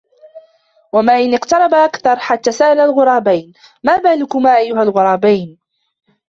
وما إن اقترب أكثر حتى سأل الغرابين: ما بالكما أيها الغرابين؟